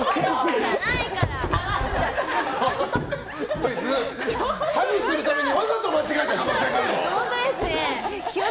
こいつハグするためにわざと間違えた可能性があるぞ！